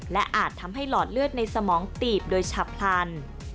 และอาจทำให้หลอดเลือดในสมองตีบโดยฉับพลัน